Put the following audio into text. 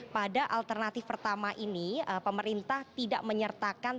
pada alternatif pertama ini pemerintah tidak menyertakan